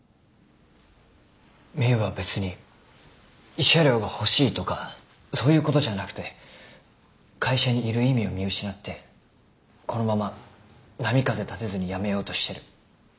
美羽は別に慰謝料が欲しいとかそういうことじゃなくて会社にいる意味を見失ってこのまま波風立てずに辞めようとしてる。